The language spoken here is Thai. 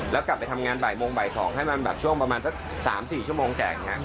แล้วกลับไปทำงานบ่ายโมงบ่าย๒ให้มันแบบช่วงประมาณสัก๓๔ชั่วโมงแจกอย่างนี้